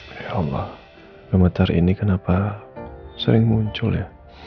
ya allah komentar ini kenapa sering muncul ya